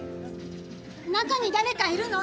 中に誰かいるの？